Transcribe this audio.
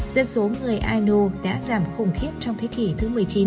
dân số người aino đã giảm khủng khiếp trong thế kỷ thứ một mươi chín